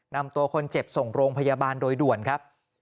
นำตัวคนเจ็บส่งโรงพยาบาลโดยด่วนครับ